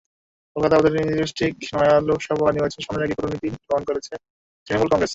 কলকাতা প্রতিনিধিলিপস্টিক নয়লোকসভা নির্বাচন সামনে রেখে কঠোর নীতি গ্রহণ নিয়েছে তৃণমূল কংগ্রেস।